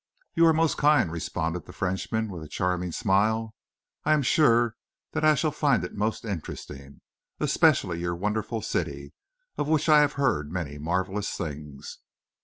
"You are most kind," responded the Frenchman, with a charming smile. "I am sure that I shall find it most interesting especially your wonderful city, of which I have heard many marvellous things."